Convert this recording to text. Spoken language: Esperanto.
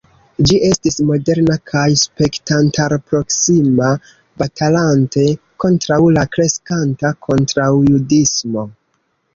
Ĝi estis moderna kaj spektantarproksima batalante kontraŭ la kreskanta kontraŭjudismo.